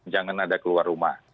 jangan ada keluar rumah